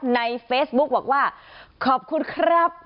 ในเฟซบุ๊กบอกว่าขอบคุณครับ